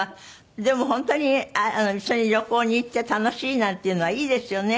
でも本当に一緒に旅行に行って楽しいなんていうのはいいですよね。